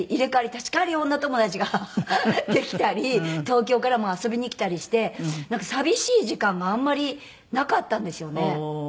立ち代わり女友達ができたり東京からも遊びに来たりしてなんか寂しい時間があんまりなかったんですよね。